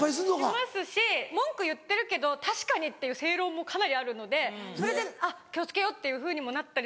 しますし文句言ってるけど確かにっていう正論もかなりあるのでそれであっ気を付けようっていうふうにもなったり。